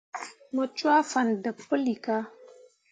Mu cwaa fan deb puilika.